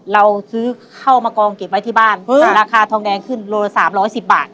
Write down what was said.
เราซื้อเข้ามากองเก็บไว้ที่บ้านราคาทองแดงขึ้นโลละ๓๑๐บาท